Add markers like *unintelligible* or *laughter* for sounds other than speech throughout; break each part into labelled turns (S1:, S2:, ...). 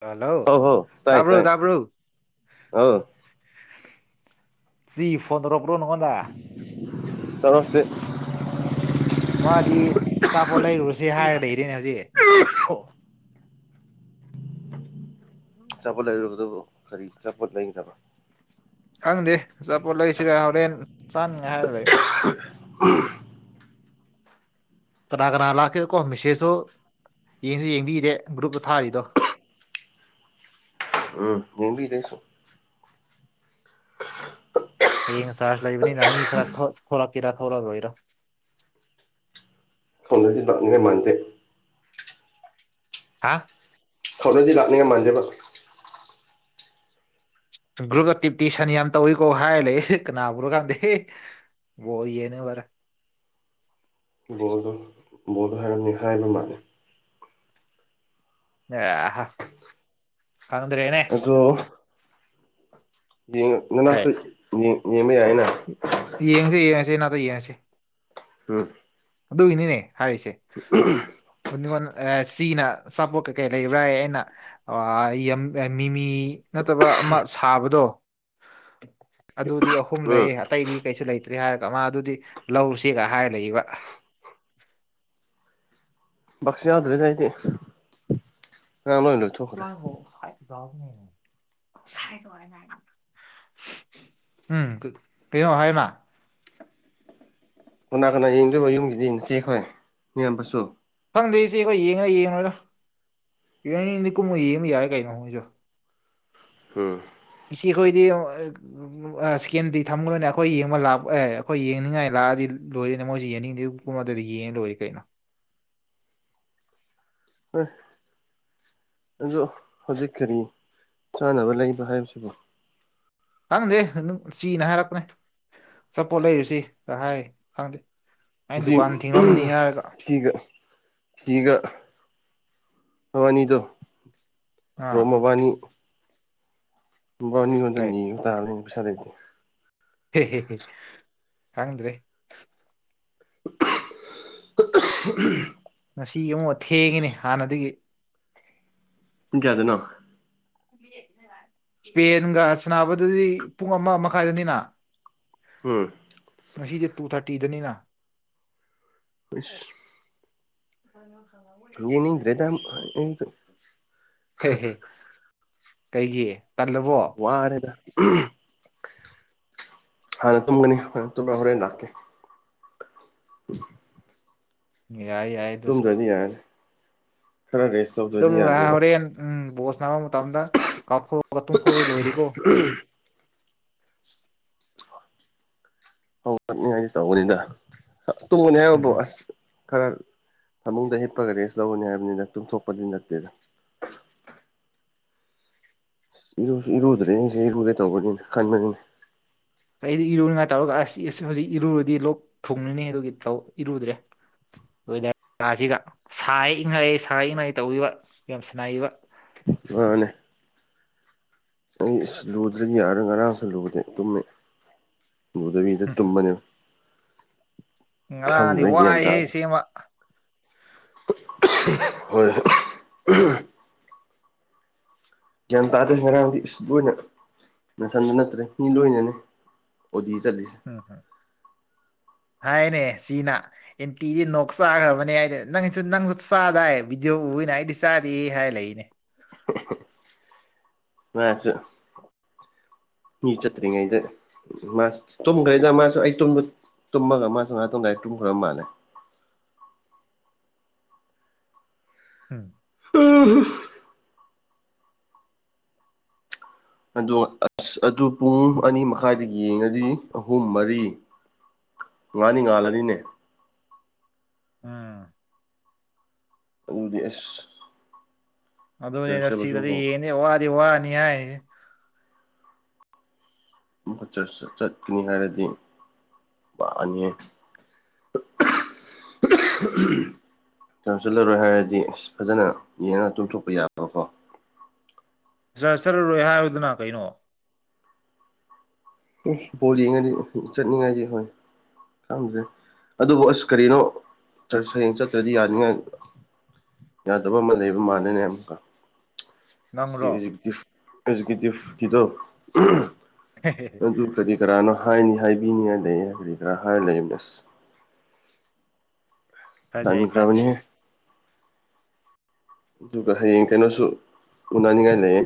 S1: Hello
S2: ꯍꯧ ꯍꯧ ꯇꯥꯏ
S1: ꯇꯥꯕ꯭ꯔꯨ
S2: ꯇꯥꯏ
S1: ꯇꯥꯕ꯭ꯔꯨ
S2: ꯑꯧ
S1: ꯆꯤ ꯐꯣꯟ ꯇꯔꯄ꯭ꯔꯣ ꯅꯉꯣꯟꯗ?
S2: ꯇꯧꯔꯛꯇꯦ꯫
S1: ꯃꯥꯗꯤ ꯑꯆꯥꯄꯣꯠ ꯂꯩꯔꯨꯔꯁꯦ ꯍꯥꯏꯔ ꯏꯔꯦꯅꯦ ꯍꯧꯖꯤꯛ꯫
S2: ꯆꯄꯠ ꯂꯩꯔꯕꯗꯕꯨ ꯀꯔꯤ ꯆꯄꯠ ꯂꯩꯒꯗꯕ
S1: ꯈꯪꯗꯦ ꯑꯆꯥꯄꯣꯠ ꯂꯩꯁꯤꯔꯦ ꯍꯣꯔꯦꯟ ꯆꯥꯅꯤꯉꯥꯏ ꯍꯥꯏ ꯂꯩ꯫
S2: inaudible ꯎꯝ
S1: ꯀꯅꯥ ꯀꯅꯥ ꯂꯥꯛꯀꯦ ꯀꯣ ꯃꯦꯁꯦꯖꯁꯨ ꯌꯦꯡꯁꯨ ꯌꯦꯡꯕꯤꯗꯦ ꯒ꯭ꯔꯨꯞꯇ ꯊꯥꯔꯤꯗꯣ
S2: ꯎꯝ ꯌꯦꯡꯕꯤꯗꯦ ꯑꯩꯁꯨ
S1: ꯍꯌꯦꯡ ꯆꯥꯔꯖ ꯂꯩꯕꯅꯤꯅ ꯃꯤ ꯈꯔ ꯊꯣꯛ-ꯊꯣꯛꯂꯛꯀꯦꯔ ꯊꯣꯛꯂꯛꯑꯣꯏꯔ
S2: unintelligible ꯃꯥꯟꯗꯦ
S1: ꯍꯥ
S2: ꯊꯧꯅꯗꯤ ꯂꯥꯛꯅꯤꯉꯝ ꯃꯥꯟꯗꯦꯕ
S1: ꯒ꯭ꯔꯨꯞꯇ ꯇꯤꯞꯇꯤ ꯁꯟ ꯌꯥꯝ ꯇꯧꯋꯀꯣ ꯍꯥꯏꯔ ꯂꯩ ꯀꯅꯥꯕꯨꯔ ꯀꯥꯟꯗꯦ unintelligible
S2: ꯕꯣꯜꯗꯣ ꯕꯣꯜꯗꯣ ꯍꯥꯏꯔꯝꯅꯤ ꯍꯥꯏꯕ ꯃꯥꯂꯦ
S1: ꯑꯦꯍ ꯈꯪꯗ꯭ꯔꯦꯅꯦ
S2: ꯑꯗꯣ ꯌꯦꯡ ꯅꯅꯥꯛꯇ ꯌꯦꯡꯕ ꯌꯥꯏꯅ
S1: ꯌꯦꯡꯁꯦ ꯌꯦꯡꯉꯁꯦ ꯏꯅꯥꯛꯇ ꯌꯦꯡꯉꯁꯦ
S2: ꯎꯝ
S1: ꯑꯗꯨꯒꯤꯅꯤꯅꯦ ꯍꯥꯏꯔꯤꯁꯦ unintelligible ꯁꯤꯅ ꯆꯥꯄꯣꯠ ꯀꯩꯀꯩ ꯂꯩꯕ꯭ꯔꯥꯌꯦ ꯑꯩꯅ ꯑ ꯌꯝ-ꯑꯦ ꯃꯤꯃꯤ ꯅꯠꯇꯕ ꯑꯃ ꯁꯥꯕꯗꯣ ꯑꯗꯨꯗꯤ ꯑ ꯈꯨꯝ
S2: ꯎꯝ
S1: ꯂꯩ ꯑꯇꯩꯗꯤ ꯀꯩꯁꯨ ꯂꯩꯇ꯭ꯔꯤ ꯍꯥꯏꯔꯒ ꯃꯥ ꯑꯗꯨꯗꯤ ꯂꯧꯔꯨꯁꯦꯒ ꯍꯥꯏꯔ ꯂꯩꯌꯦꯕ
S2: unintelligible ꯑꯩꯗꯤ ꯉꯔꯥꯡ ꯂꯣꯏ ꯂꯣꯏꯊꯣꯛꯈ꯭ꯔꯦ
S1: unintelligible ꯎꯝ ꯀꯦ-ꯀꯩꯅꯣ ꯍꯥꯏꯑꯣꯅ
S2: ꯀꯅꯥ ꯀꯅꯥ ꯌꯦꯡꯗꯣꯏꯕ ꯌꯨꯝꯒꯤꯗꯤ ꯌꯦꯡꯉꯁꯦꯈꯣꯏ ꯃꯤꯌꯥꯝꯕꯁꯨ
S1: ꯈꯪꯗꯦ ꯅꯩꯁꯦ ꯑꯩꯈꯣꯏ ꯌꯦꯡꯉꯔꯥ ꯌꯦꯡꯉꯔꯥꯒ unintelligible ꯗꯤ ꯀꯨꯝꯃꯨ ꯌꯦꯡꯕ ꯌꯥꯏ ꯀꯩꯅꯣ ꯃꯣꯏꯁꯨ
S2: ꯎꯝ
S1: ꯉꯁꯤꯈꯣꯏꯗꯤ ꯉꯦꯡꯑꯣ ꯑ ꯑ ꯏꯁꯀꯦꯟꯗꯤ ꯊꯝꯈꯣꯏꯅꯦ ꯑꯩꯈꯣꯏ ꯌꯦꯡꯕ ꯂꯥꯛꯄ ꯑꯦ ꯑꯩꯈꯣꯏ ꯌꯦꯡꯅꯤꯡꯉꯥꯏ ꯂꯥꯛꯑꯗꯤ ꯂꯣꯏꯔꯤꯅꯦ ꯃꯣꯏꯁꯨ ꯌꯦꯡꯅꯤꯡꯗꯦ ꯨꯄꯨꯡ ꯑꯃ ꯗꯨꯗ ꯌꯦꯡ ꯂꯣꯏꯔꯦ ꯀꯩꯅꯣ
S2: ꯎꯝ ꯑꯗꯣ ꯍꯧꯖꯤꯛ ꯀꯔꯤ ꯆꯥꯟꯅꯕ ꯂꯩꯕ ꯍꯥꯏꯕꯁꯤꯕꯣ
S1: ꯇꯥꯡꯗꯦ ꯑꯗꯨ ꯆꯤꯅ ꯍꯥꯏꯔꯛꯄꯅꯦ ꯆꯥꯄꯣꯠ ꯂꯩꯔꯨꯁꯤ ꯒꯍꯥꯏꯥ ꯈꯪꯗꯦ ꯑꯩ
S2: ꯑꯗꯨꯒ
S1: ꯗꯨꯀꯥꯟ ꯊꯤꯡꯂꯝꯃꯅꯤ ꯍꯥꯏꯔꯒ
S2: ꯆꯤꯒ ꯁꯤꯒ ꯃꯕꯥꯅꯤꯗꯣ
S1: ꯑꯥ
S2: ꯔꯣꯝ ꯃꯕꯥꯅꯤ ꯅꯕꯅꯤꯒꯣꯟꯗ
S1: ꯀꯩ
S2: ꯅꯤꯕꯅꯦꯇ ꯄꯩꯁꯥꯂꯩꯇꯦ
S1: ꯍꯦ ꯍꯦ ꯍꯦ ꯈꯪꯗ꯭ꯔꯦ
S2: *unintelligible*
S1: ꯉꯁꯤ ꯑꯃꯨꯛ ꯊꯦꯡꯉꯦꯅꯦ
S2: ꯑꯁ
S1: ꯍꯥꯟꯅꯗꯒꯤ
S2: ꯄꯨꯡ ꯀꯌꯥꯗꯅꯣ
S1: ꯏꯁꯄꯦꯟꯒ ꯁꯥꯟꯅꯕꯗꯨꯗꯤ ꯄꯨꯡ ꯑꯃ ꯃꯈꯥꯏꯗꯅꯤꯅ
S2: ꯎꯝ
S1: ꯉꯁꯤꯗꯤ ꯇꯨ ꯊꯥꯔꯇꯤꯗꯅꯤꯅ
S2: ꯏꯁ
S1: *inaudible*
S2: ꯌꯦꯅꯤꯗ꯭ꯔꯦꯗ ꯎꯝ ꯑꯩꯗꯣ
S1: ꯍꯦ ꯍꯦ ꯀꯩꯒꯤ ꯇꯜꯂꯕꯣ
S2: ꯋꯥꯔꯦꯗ ꯍꯥꯟꯅ ꯇꯨꯝꯒꯅꯤ ꯍꯥꯟꯅ ꯇꯨꯝ ꯍꯣꯔꯦꯟ ꯂꯥꯛꯀꯦ *inaudible*
S1: ꯌꯥꯏ ꯌꯥꯏ ꯑꯗꯨꯁꯨ
S2: ꯇꯨꯝꯗ꯭ꯔꯥꯗꯤ ꯌꯥꯔꯅꯤ ꯈꯔꯥ ꯔꯦꯁ ꯇꯧꯗ꯭ꯔꯗꯤ
S1: ꯑꯗꯨ
S2: ꯌꯥꯗꯦꯕ
S1: ꯍꯣꯔꯦꯟ ꯎꯝ ꯕꯣꯁ ꯅꯥꯕ ꯃꯇꯝꯗ ꯀꯥꯎꯊꯣꯛꯑꯒ ꯇꯨꯝꯐꯥꯎꯔꯤ ꯂꯣꯏꯔꯤꯀꯣ
S2: ꯍ ꯆꯠꯅꯤꯡꯉꯥꯏꯗꯤꯦ ꯇꯧꯕꯅꯤꯗ ꯇꯨꯝꯒꯅꯤ
S1: ꯎꯝ
S2: ꯍꯥꯏꯕꯗꯣ
S1: ꯎꯝ
S2: ꯑꯁ ꯈꯔ ꯐꯃꯨꯡꯗ ꯍꯤꯞꯄꯒ ꯔꯦꯁ ꯇꯧꯒꯅꯤ ꯍꯥꯏꯕꯅꯤꯅ ꯇꯨꯡꯊꯣꯛꯄꯗꯤ ꯅꯠꯇꯦꯗ ꯏꯔꯁꯨ ꯏꯔꯨꯗ꯭ꯔꯦ ꯁꯤꯦ ꯏꯔꯨꯗꯦ ꯇꯧꯧꯕꯅꯤꯅ ꯀꯟꯃꯅꯤꯅꯤ
S1: ꯀ ꯑꯩꯗꯤ ꯏꯔꯨꯅꯤꯉꯥꯏ ꯇꯧꯔꯒ ꯑꯁ ꯑꯁ ꯍꯧꯖꯤꯛ ꯏꯔꯨꯔꯗꯤ ꯂꯣꯛ ꯊꯨꯡꯅꯤꯅꯤ ꯑꯗꯨꯒꯤ ꯏꯔꯨꯗ꯭ꯔꯦ ꯂꯣꯏꯗꯥꯁꯤꯒ ꯁꯥꯦꯛ ꯏꯪꯉꯛꯦ ꯁꯥ ꯏꯪꯉꯩ ꯇꯧꯕꯤꯕ ꯌꯥꯝ ꯁꯅꯥꯏꯕ
S2: ꯑꯅꯦ ꯑꯩꯁ ꯂꯨꯗ꯭ꯔꯗꯒꯤ ꯌꯥꯔ ꯉꯔꯥꯡꯁꯨ ꯂꯨꯗꯦ ꯇꯨꯝꯃꯦ ꯃꯕꯨꯗꯕꯤꯗ ꯇꯨꯃꯅꯤ
S1: ꯗꯤ ꯋꯥ ꯍꯥꯏ ꯁꯃ
S2: ꯍꯣꯏ ꯎ ꯖꯟꯇꯥꯗꯁꯨ ꯉꯔꯗꯤꯕꯨꯅ ꯅꯥꯊꯟꯗ ꯅꯠꯇ꯭ꯔꯦ ꯃꯤ ꯂꯣꯏꯅꯅꯦ ꯑꯣꯗꯤ ꯆꯠꯂꯤꯁꯦ
S1: ꯎꯝꯝ ꯍꯥꯏꯅꯦ ꯁꯤꯅꯥ ꯑꯦꯟꯇꯤꯗꯤ ꯅꯣꯛ ꯆꯥꯈ꯭ꯔꯕꯅꯦ ꯍꯥꯏꯗꯤ ꯅꯪꯁꯨ ꯅꯪꯁꯨ ꯆꯥꯗꯥꯏ ꯚꯤꯗꯤꯑꯣ ꯑꯣꯏꯅ ꯑꯩꯗꯤ ꯆꯥꯗꯦ ꯍꯥꯏꯔ ꯂꯩꯛꯏꯅꯦ
S2: ꯍ ꯃꯥꯁ ꯃꯤ ꯆꯠꯇꯔꯤꯉ ꯏꯗꯤ ꯃꯥꯁ ꯇꯨꯝꯈ꯭ꯔꯦꯗ ꯃꯥꯁꯨ ꯑꯩ ꯇꯨꯝꯃꯒ ꯃꯥꯁꯨ ꯉꯥꯏꯍꯥꯛꯇꯣꯡꯗꯥꯏ ꯇꯨꯝꯈ꯭ꯔ ꯃꯥꯜꯂꯦ
S1: ꯎꯝ
S2: ꯎ ꯑ ꯑꯁ ꯑꯗꯨ ꯄꯨꯡ ꯑꯅꯤ ꯃꯈꯥꯏꯗ ꯌꯦꯡꯉꯗꯤ ꯑꯍꯨꯝ ꯃꯔꯤ ꯉꯅꯤ ꯉꯥꯜꯂꯅꯤꯅꯦ
S1: ꯎꯝ
S2: ꯎꯗꯤꯁ
S1: ꯑꯗꯨꯅꯦꯅ ꯁꯤꯗꯗꯤ ꯌꯦꯡꯅꯤ ꯋꯥꯗꯤ ꯋꯥꯅꯤ ꯍꯥꯏ
S2: ꯨ ꯆꯠꯈꯤꯅꯤ ꯍꯥꯏꯔꯗꯤ *unintelligible* ꯅꯪ ꯆꯠꯂꯔꯣꯏ ꯍꯥꯏꯔꯗꯤ ꯑꯁ ꯐꯖꯅ ꯌꯦꯡꯉꯒ ꯇꯨꯝꯊꯣꯛꯄ ꯌꯥꯕ
S1: ꯖꯥꯔ ꯆꯠꯔꯔꯣꯏ ꯍꯥꯏꯕꯗꯨꯅ ꯀꯩꯅꯣ
S2: ꯏꯁ ꯄꯨꯅꯤꯡꯉꯥꯗꯤ ꯆꯠꯅꯤꯡꯉꯥꯗꯤ ꯍꯣꯏ ꯈꯪꯗ꯭ꯔꯦ ꯑꯗꯨꯕꯨ ꯑꯁ ꯀꯔꯤꯅꯣ ꯆ꯭ꯔꯁ ꯍꯌꯦꯡ ꯆꯠꯇ꯭ꯔꯗꯤ ꯌꯥꯅꯤꯡꯉꯥꯏ ꯌꯥꯗꯕ ꯑꯃ ꯂꯩꯕ ꯃꯥꯜꯂꯦꯅꯦ ꯑꯃꯨꯛꯀ ꯁꯤ
S1: ꯅꯪꯔꯣ
S2: ꯑꯦꯖꯨꯀꯤꯇꯤꯞ꯭ꯐ ꯑꯦꯖꯨꯀꯦꯇꯤꯞ꯭ꯐꯀꯤꯗꯣ
S1: *unintelligible*
S2: ꯀꯔꯤ ꯀꯔꯥꯅꯣ ꯍꯥꯏꯅꯤ ꯍꯥꯏꯕꯤꯅꯤꯡꯉꯥꯏ ꯂꯩꯌꯦ ꯀꯔꯤ ꯀꯔꯥ ꯍꯥꯏꯔ ꯂꯩ ꯑꯁ
S1: ꯐꯖꯩ ꯐꯖꯩ
S2: ꯇꯟꯈꯔꯕꯅꯤꯍꯦ ꯑꯗꯨꯒ ꯍꯌꯦꯡ ꯀꯩꯅꯣꯁꯨ ꯎꯅꯥꯅꯤꯡꯉꯥꯏ ꯂꯩꯌꯦ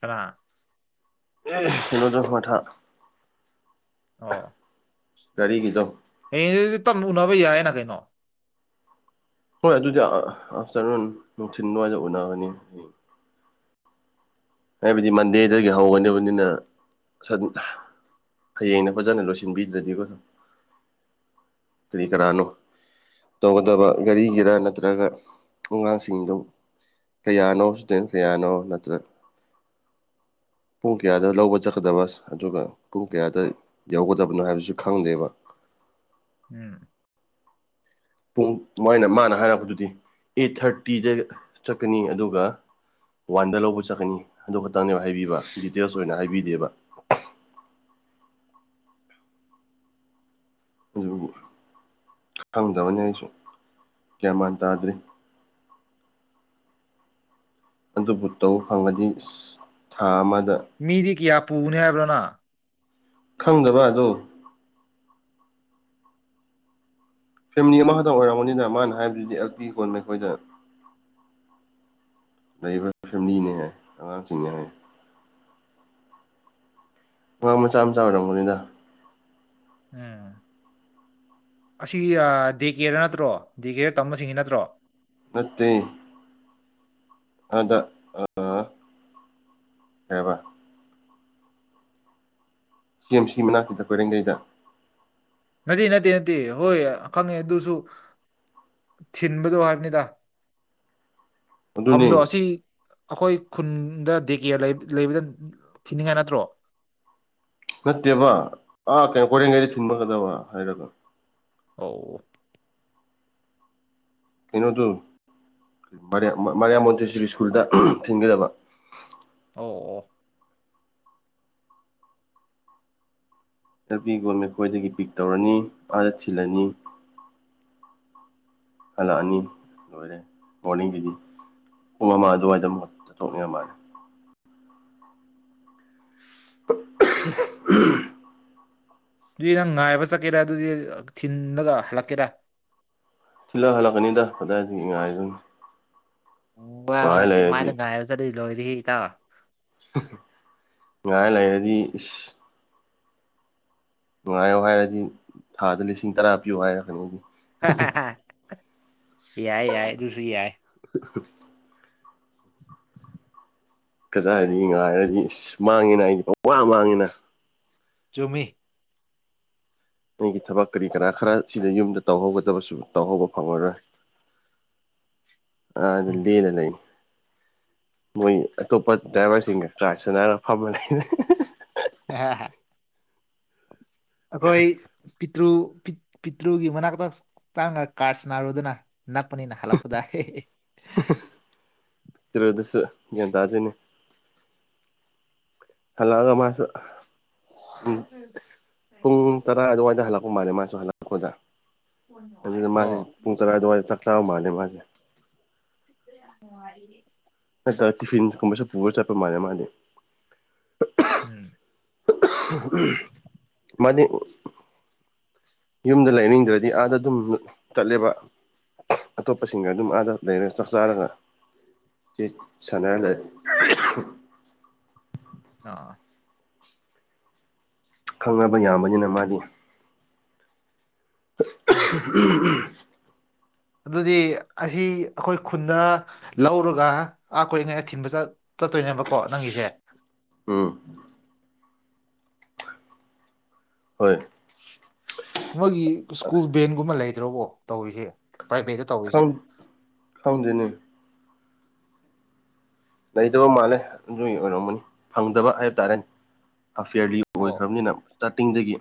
S1: ꯀꯅꯥ
S2: *unintelligible*
S1: ꯑꯣ
S2: ꯒꯥꯔꯤꯒꯤꯗꯣ
S1: ꯍꯌꯦꯡ ꯑꯗꯨꯗꯤ ꯇꯞꯅ ꯎꯅꯕ ꯌꯥꯏꯌꯦꯅ ꯀꯩꯅꯣ
S2: ꯍꯣꯏ ꯑꯗꯨꯏꯗ ꯑ ꯑꯥꯐꯇꯔꯅꯨꯟ ꯅꯨꯡꯊꯤꯜ ꯋꯥꯏꯗ ꯎꯅꯒꯅꯤ ꯍꯌꯦꯡ ꯍꯥꯏꯕꯗꯤ ꯃꯟꯗꯦꯗꯒꯤ ꯍꯧꯒꯗꯕꯅꯤꯅ ꯁꯟ
S1: ꯎꯝ
S2: ꯍꯌꯦꯡꯅ ꯐꯖꯅ ꯂꯣꯏꯁꯤꯟꯕꯤꯗ꯭ꯔꯗꯤꯀꯣ ꯑꯗꯨꯝ ꯀꯔꯤ ꯀꯔꯥꯅꯣ ꯇꯧꯒꯗꯕ ꯒꯥꯔꯤꯒꯤꯔꯥ ꯅꯠꯇ꯭ꯔꯒ ꯑꯉꯥꯡꯁꯤꯡꯗꯨꯝ ꯀꯌꯥꯅꯣ ꯁ꯭ꯇꯨꯗꯦꯟ ꯀꯌꯥꯅꯣ ꯅꯠꯇ꯭ꯔꯒ ꯄꯨꯡ ꯀꯌꯥꯗ ꯂꯧꯕ ꯆꯠꯀꯗꯕꯁ ꯑꯗꯨꯒ ꯄꯨꯡ ꯀꯌꯥꯗ ꯌꯧꯒꯗꯕꯅꯣ ꯍꯥꯏꯕꯁꯨ ꯈꯪꯗꯦꯕ
S1: ꯎꯝ
S2: ꯄꯨꯡ ꯃꯣꯏꯅ ꯃꯥꯅ ꯍꯥꯏꯔꯛꯄꯗꯨꯗꯤ ꯑꯦꯠ ꯊꯥꯔꯇꯤꯗ ꯆꯠꯀꯅꯤ ꯑꯗꯨꯒ ꯋꯥꯟꯗ ꯂꯧꯕ ꯆꯠꯀꯅꯤ ꯑꯗꯨ ꯈꯛꯇꯪꯅꯦꯕ ꯍꯥꯏꯕꯤꯕ ꯗꯤꯇꯦꯜꯁ ꯑꯣꯏꯅ ꯍꯥꯏꯕꯤꯗꯦꯕ ꯈꯪꯗꯕꯅꯦ ꯑꯩꯁꯨ ꯒ꯭ꯌꯥꯟꯃꯥꯟ ꯇꯥꯗ꯭ꯔꯤ ꯑꯗꯨꯕꯨ ꯇꯧ ꯐꯪꯉꯗꯤ ꯏꯁ ꯊꯥ ꯑꯃꯗ
S1: ꯃꯤꯗꯤ ꯀꯌꯥ ꯄꯨꯒꯅꯤ ꯍꯥꯏꯕ꯭ꯔ ꯅ
S2: ꯈꯪꯗꯕ ꯑꯗꯣ ꯐꯦꯃꯤꯂꯤ ꯑꯃꯈꯛꯇꯪ ꯑꯣꯏꯔꯝꯒꯅꯤꯗ ꯃꯥꯅ ꯍꯥꯏꯕꯗꯨꯗꯤ ꯑꯦꯜ ꯄꯤ ꯀꯣꯟ ꯑꯩꯈꯣꯏꯗ ꯂꯩ ꯐꯦꯃꯤꯂꯤꯅꯦ ꯑꯉꯥꯡꯁꯤꯡꯅꯦ ꯍꯥꯏ ꯕ ꯃꯆꯥ ꯃꯆꯥ ꯑꯣꯏꯔꯝꯒꯅꯤꯗ
S1: *unintelligible* ꯑꯁꯤ ꯌꯥ ꯗꯤ ꯀꯦꯔꯗ ꯅꯠꯇꯔꯣ ꯗꯤ ꯀꯦꯔꯗ ꯇꯝꯕꯁꯤꯡꯒꯤ ꯅꯠꯇ꯭ꯔꯣ
S2: ꯅꯠꯇꯦ ꯑꯗ ꯑ ꯀꯩꯑꯦꯕ ꯁꯤ ꯑꯦꯝ ꯁꯤ ꯃꯅꯥꯛꯀꯤꯗꯣ ꯀꯣꯏꯔꯦꯡꯒꯩꯗ
S1: ꯅꯠꯇꯦ ꯅꯠꯇꯦ ꯅꯠꯇꯦ ꯍꯣꯏ ꯈꯪꯉꯦ ꯑꯗꯨꯁꯨ ꯊꯤꯟꯕꯗꯣ ꯍꯥꯏꯕꯅꯤꯗ
S2: ꯑꯗꯨꯅꯤ
S1: ꯐꯝꯗꯣ ꯑꯁꯤ ꯑꯈꯣꯏ ꯈꯨꯟꯗ ꯗꯤ ꯀꯦꯔ ꯂꯩꯕ ꯂꯩꯕꯗ ꯊꯤꯅꯤꯡꯉꯥꯏ ꯅꯠꯇ꯭ꯔꯣ
S2: ꯅꯠꯇꯦꯕ ꯑꯥ ꯀꯩꯅꯣ ꯀꯣꯏꯔꯦꯡꯒꯩꯗ ꯊꯤꯟꯕꯒꯗꯕ ꯍꯥꯏꯔꯒ
S1: ꯑꯣ
S2: ꯀꯩꯅꯣꯗꯨ ꯕꯥꯔꯤꯌꯥ ꯃꯥꯔꯤꯌꯥ ꯃꯣꯟꯇꯦꯁꯣꯔꯤ ꯁ꯭ꯀꯨꯜꯗ ꯊꯤꯡꯒꯗꯕ
S1: ꯑꯣ ꯑꯣ
S2: ꯆꯄꯤꯒꯣꯜꯃꯦꯠ ꯈꯣꯏꯗꯒꯤ ꯄꯤꯛ ꯇꯧꯔꯅꯤ ꯑꯥꯗ ꯊꯤꯜꯂꯅꯤ ꯍꯜꯂꯛꯑꯅꯤ ꯂꯣꯏꯔꯦ ꯃꯣꯔꯅꯤꯡꯒꯤꯗꯤ ꯄꯨꯡ ꯑꯃ ꯑꯗꯨꯋꯥꯏꯗ ꯑꯃ ꯆꯠꯊꯣꯛꯅꯤꯡꯉꯥꯃꯥꯟ *unintelligible*
S1: ꯑꯗꯨꯗꯤ ꯅꯪ ꯉꯥꯏꯕ ꯆꯠꯀꯦꯔꯥ ꯑꯗꯨꯗꯤ ꯊꯤꯟꯕꯗ ꯍꯜꯂꯛꯀꯦꯔ
S2: ꯊꯤꯜꯂ ꯍꯜꯂꯛꯀꯅꯤꯗ ꯀꯗꯥꯏꯗꯩ ꯉꯥꯏꯕꯅꯣ
S1: ꯚꯥꯏ ꯃꯥ
S2: ꯂꯩꯔꯗꯤ
S1: ꯁꯦꯛꯃꯥꯏꯗ ꯉꯥꯏꯕ ꯆꯠꯂꯗꯤ ꯂꯣꯏꯔꯦꯍꯦ ꯏꯇꯥꯎ
S2: ꯉꯥꯏ ꯂꯩꯔꯗꯤ ꯏꯁ ꯅꯨꯡꯉꯥꯏꯌꯣ ꯍꯥꯏꯔꯗꯤ ꯊꯥꯗ ꯂꯤꯁꯤꯡ ꯇꯔꯥ ꯄꯤꯌꯨ ꯍꯥꯏꯔꯒꯅꯤ ꯑꯩꯗꯤ
S1: ꯍꯥ ꯍꯥ ꯌꯥꯏ ꯌꯥꯏ ꯑꯁꯨ ꯌꯥꯏ
S2: *inaudible* ꯀꯗꯥꯏꯗꯩ ꯉꯥꯏꯔꯗꯤ ꯏꯁꯁ ꯃꯥꯡꯉꯤꯅ ꯑꯩꯗꯤ ꯋꯥ ꯃꯥꯡꯉꯤꯅ
S1: ꯆꯨꯝꯃꯤ
S2: ꯅꯩꯒꯤ ꯊꯕꯛ ꯀꯔꯤ ꯀꯔꯥ ꯈꯔ ꯁꯤꯗ ꯌꯨꯝꯗ ꯇꯧꯍꯧꯒꯗꯕꯁꯨ ꯇꯧꯍꯧꯕ ꯐꯪꯉꯔꯣꯏ
S1: *inaudible*
S2: *unintelligible* ꯃꯣꯏ ꯑꯇꯣꯞꯄ ꯗ꯭ꯔꯥꯏꯚꯔꯁꯤꯡꯒ ꯆ ꯁꯥꯟꯅꯔꯒ ꯐꯝꯕ ꯂꯩ
S1: *unintelligible* ꯑꯩꯈꯣꯏ ꯄꯤꯇ꯭ꯔꯨ ꯄꯤꯇ꯭ꯔꯨꯒꯤ ꯃꯅꯥꯛꯇ ꯆꯪꯉ ꯀꯥꯔꯁ ꯅꯥꯔꯨꯗꯅ ꯅꯛꯄꯅꯤꯅ ꯍꯜꯂꯛꯄꯗꯥ
S2: *unintelligible* ꯍꯜꯂꯛꯑꯒ ꯃꯥꯁꯨ ꯎꯝ ꯄꯨꯡ ꯇꯔꯥ ꯑꯗꯨꯋꯥꯏꯗ ꯍꯜꯂꯛꯄ ꯃꯥꯜꯂꯦ ꯃꯥꯁꯨ ꯍꯜꯂꯛꯄꯗꯥ
S1: ꯑꯣ
S2: ꯀ ꯑꯗꯨꯋꯥꯗ ꯆꯥꯛ ꯆꯥꯕ ꯃꯥꯜꯂꯦ ꯃꯥꯁꯦ
S1: *unintelligible*
S2: ꯑ ꯇꯤꯐꯤꯟ ꯀꯨꯝꯕꯁꯨ ꯄꯨꯔ ꯆꯠꯄ ꯃꯥꯟꯂꯦ ꯃꯥꯗꯤ
S1: ꯎꯝ
S2: ꯎꯝ ꯃꯥꯅꯤ ꯌꯨꯝꯗ ꯂꯩꯅꯤꯡꯗ꯭ꯔꯗꯤ ꯑꯥꯗ ꯑꯗꯨꯝ ꯆꯠꯂꯦꯕ ꯑꯇꯣꯞꯄꯁꯤꯡꯒ ꯑꯗꯨꯝ ꯑꯥꯗ ꯂꯩꯔꯒ ꯆꯥꯛ ꯆꯥꯔꯒ ꯇꯤꯠ ꯁꯥꯟꯅꯔꯒ
S1: ꯑꯥ
S2: ꯈꯪꯅꯕ ꯌꯥꯕꯅꯤꯅ ꯃꯥꯗꯤ
S1: ꯎꯝ ꯑꯗꯨꯗꯤ ꯑꯁꯤ ꯑꯩꯈꯣꯏ ꯈꯨꯟꯗ ꯂꯧꯔꯒ ꯑꯥ ꯀꯣꯏꯔꯤꯉꯩꯗ ꯊꯤꯟꯕ ꯆꯠ ꯆꯠꯇꯣꯏꯅꯦꯕꯀꯣ ꯅꯪꯒꯤꯁꯦ
S2: ꯎꯝ ꯍꯣꯏ
S1: ꯃꯣꯏꯒꯤ ꯁ꯭ꯀꯨꯜ ꯕꯦꯟꯒꯨꯝꯕ ꯂꯩꯇ꯭ꯔꯕꯣ ꯇꯧꯔꯤꯁꯦ ꯄ꯭ꯔꯥꯏꯚꯦꯠꯇ
S2: ꯈ
S1: ꯇꯧꯔꯤꯁꯦ
S2: ꯈꯪꯗꯦꯅꯦ ꯂꯩꯇꯕ ꯃꯥꯜꯂꯦ ꯑꯗꯨꯒꯤ ꯑꯣꯏꯔꯝꯃꯅꯤ ꯐꯪꯗꯕ ꯍꯥꯏꯕ ꯇꯥꯔꯦ ꯑꯐꯤꯔꯂꯤ
S1: ꯑꯣ
S2: ꯑꯣꯏꯈ꯭ꯔꯕꯅꯤꯅ ꯏꯁꯇꯥꯔꯇꯤꯡꯗꯒꯤ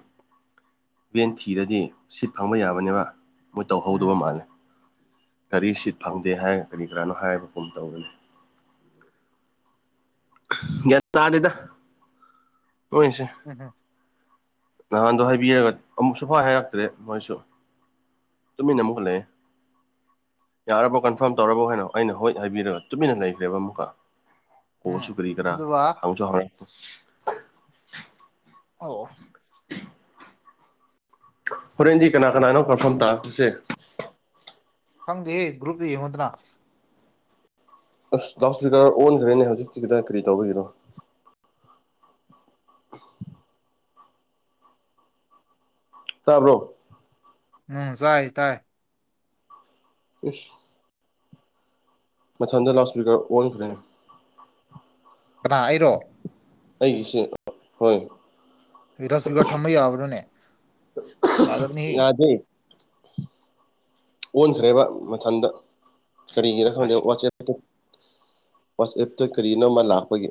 S2: ꯚꯦꯟ ꯊꯤꯔꯗꯤ ꯁꯤꯠ ꯐꯪꯕ ꯌꯥꯕꯅꯦꯕ ꯃꯣꯏ ꯇꯧꯍꯧꯗꯕ
S1: ꯎꯝ
S2: ꯃꯥꯜꯂꯦ ꯀꯔꯤ ꯁꯤꯠ ꯐꯪꯗꯦ ꯍꯥꯏ ꯀꯔꯤ ꯀꯔꯥꯅꯣ ꯍꯥꯏꯕꯒꯨꯝ ꯇꯧꯕꯅꯤ ꯌꯥ ꯇꯥꯗꯦꯗ ꯅꯣꯏꯁꯦ
S1: ꯎꯝ ꯍꯨꯝ
S2: ꯅꯍꯥꯟꯗꯣ ꯍꯥꯏꯕꯤꯔꯒ ꯑꯃꯨꯛꯁꯨ ꯍꯥ ꯍꯥꯏꯔꯛꯇ꯭ꯔꯦ ꯃꯣꯏꯁꯨ ꯇꯃꯤꯟꯅ ꯑꯃꯨꯛꯀ ꯂꯩꯌꯦ ꯌꯥꯔꯕꯣ ꯀꯟꯐꯥꯔꯝ ꯇꯧꯔꯕꯣ ꯍꯥꯏꯅ ꯑꯩꯅ ꯍꯣꯏ ꯍꯥꯏꯕꯤꯔꯒ ꯇꯨꯃꯤꯟꯅ ꯂꯩꯈ꯭ꯔꯦꯕ ꯑꯃꯨꯛꯀ
S1: ꯎꯝ
S2: ꯑꯣꯁꯨ ꯀꯔꯤ ꯀꯔ
S1: ꯑꯗꯨꯒ
S2: ꯍꯩꯁꯨ ꯍꯥꯎꯔꯦ
S1: ꯑꯧ
S2: ꯍꯣꯔꯦꯟꯖꯤ ꯀꯅꯥ ꯀꯅꯥꯅꯣ ꯀꯟꯐꯔꯥꯝ ꯇꯥꯈꯔꯁꯦ
S1: ꯐꯪꯒꯦꯍꯦ ꯒ꯭ꯔꯨꯞꯇ ꯌꯦꯡꯉꯣꯗꯅ
S2: ꯑꯁ ꯗꯥꯎꯠ ꯁ꯭ꯄꯤꯀꯔ ꯑꯣꯟꯈ꯭ꯔꯦꯅꯦ ꯍꯧꯖꯤꯛꯇꯤ ꯀꯗꯥ ꯀꯔꯤ ꯇꯧꯕꯤꯒꯤꯔꯣ ꯇꯥꯕ꯭ꯔꯣ
S1: ꯎꯝ ꯆꯥꯏ ꯇꯥꯏ
S2: ꯏꯁ ꯃꯊꯗ ꯂꯥꯎꯠ ꯁ꯭ꯄꯤꯀꯔ ꯑꯣꯟꯈ꯭ꯔꯅꯤ
S1: ꯀꯅꯥ ꯑꯩꯔꯣ
S2: ꯑꯩꯒꯤꯁꯤ ꯍꯣꯏ
S1: ꯗ ꯏꯁꯄꯤꯀꯔ ꯊꯝꯕ ꯌꯥꯕ꯭ꯔꯣꯅꯦ ꯌꯥꯗꯕꯅꯤꯍ
S2: ꯌꯥꯗꯦ ꯑꯣꯟꯈ꯭ꯔꯦꯕ ꯃꯊꯟꯗ ꯀꯔꯤꯒꯤꯔ ꯈꯪꯗꯦ
S1: ꯑꯁ
S2: ꯋꯥꯆꯦꯞ ꯋꯥꯆꯑꯦꯞꯇ ꯀꯔꯤꯅꯣꯃ ꯂꯥꯛꯄꯒꯦ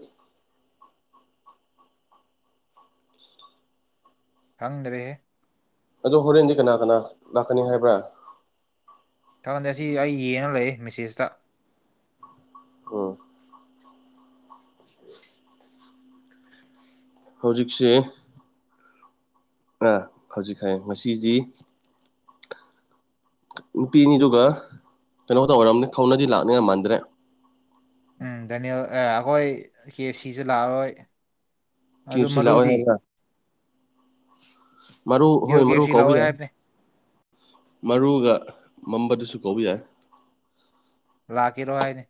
S1: ꯈꯪꯗ꯭ꯔꯦꯍꯦ
S2: ꯑꯗꯣ ꯍꯣꯔꯦꯟꯗꯤ ꯀꯅꯥ ꯀꯅꯥ ꯂꯥꯛꯀꯅꯤ ꯍꯥꯏꯕ꯭ꯔꯥ
S1: ꯊꯥꯒꯟꯗꯦ ꯑꯁꯤ ꯑꯩ ꯌꯦꯡꯅ ꯂꯩꯦ ꯃꯦꯁꯦꯖꯇ
S2: ꯑꯣ ꯍꯧꯖꯤꯛꯁꯦ ꯑ ꯍꯧꯖꯤꯛꯈꯥꯏꯌꯦ ꯉꯁꯤꯗꯤ ꯅꯨꯄꯤꯅꯤ ꯑꯗꯨꯒ ꯀꯩꯅꯣ ꯇꯧ ꯑꯣꯏꯔꯝꯅꯤ ꯈꯧꯅꯗꯤ ꯂꯥꯛꯅꯤ ꯌꯥꯝ ꯃꯥꯟꯗ꯭ꯔꯦ
S1: ꯎꯝ ꯗꯅꯤꯜ ꯑꯩꯈꯣꯏ ꯀꯦ ꯑꯦ ꯁꯤꯁꯦ ꯂꯥꯛꯑꯔꯣꯏ
S2: ꯀ꯭ꯨ
S1: ꯑꯗꯨ
S2: ꯁꯤ ꯂꯥꯛꯑꯣꯏ
S1: ꯃꯔꯨꯗꯤ
S2: ꯍꯥꯏꯗ꯭ꯔ ꯃꯔꯨ
S1: ꯀꯤꯌꯣ
S2: ꯍꯣꯏ
S1: ꯀꯦ
S2: ꯃꯔꯨ
S1: ꯑꯦꯐ ꯁꯤ
S2: ꯀꯧꯕꯥꯎ
S1: ꯂꯥꯛꯑꯣꯏ
S2: ꯌꯥꯏ
S1: ꯍꯥꯏꯕꯅꯦ
S2: ꯃꯔꯨꯒ ꯃꯝꯕꯗꯨꯁꯨ ꯀꯧꯕ ꯌꯥꯏ
S1: ꯂꯥꯛꯀꯔꯣ ꯍꯥꯏꯅꯤ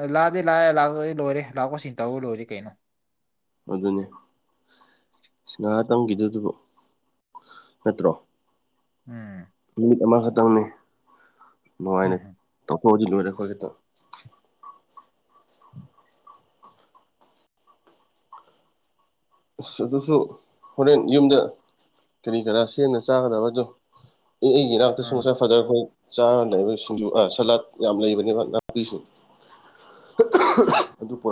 S1: ꯑꯦ ꯂꯥꯛꯑꯗꯦ ꯂꯥꯛꯑꯦ ꯂꯥꯛꯑ ꯂꯣꯏꯔꯦ ꯂꯥꯛꯄꯁꯤꯡ ꯇꯧ ꯂꯣꯏꯔꯦ ꯀꯩꯅꯣ
S2: ꯑꯗꯨꯅꯦ ꯁ ꯅꯍꯥ ꯇꯝꯈꯤꯗꯨꯗꯨꯕꯨ ꯅꯠꯇ꯭ꯔꯣ
S1: ꯎꯝ
S2: ꯅꯨꯃꯤꯠ ꯑꯃꯈꯛꯇꯪꯅꯤ ꯅꯨꯡꯉꯥꯏꯅ
S1: ꯎꯝ
S2: ꯇꯧꯊꯣꯛꯑꯗꯤ ꯂꯣꯏꯔꯦ ꯑꯩꯈꯣꯏ ꯈꯤꯇꯪ ꯑꯁ ꯑꯗꯨꯁꯨ ꯍꯣꯔꯦꯟ ꯌꯨꯝꯗ ꯀꯔꯤ ꯀꯔꯥ ꯁꯦꯡꯅ ꯆꯥꯒꯗꯕꯗꯣ ꯑꯦ ꯑꯩꯒꯤ ꯏꯅꯥꯛꯇ
S1: ꯎꯝ
S2: ꯁꯨꯡꯁꯥ ꯐꯗꯔꯈꯣꯏ ꯆꯥꯔꯅꯦꯕ ꯁꯤꯡꯖꯨ ꯁꯂꯥꯠ ꯌꯥꯝ ꯂꯩꯕꯅꯦꯕ ꯅꯥꯄꯤꯁꯤꯡꯦ ꯑꯗꯨ ꯄꯨꯔꯛ